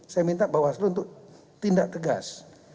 saya minta bawah selu untuk tindak tegas